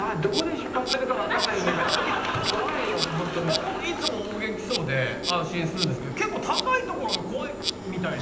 いつもお元気そうで安心するんですけど結構高い所が怖いみたいで。